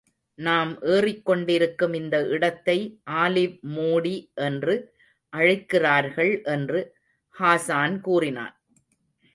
நாம் எறிக் கொண்டிருக்கும் இந்த இடத்தை ஆலிவ் மூடி... என்று அழைக்கிறார்கள் என்று ஹாஸான் கூறினான்.